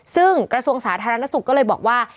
ซึ่งกระทรวงสาธารณสุขก็เลยบอกว่า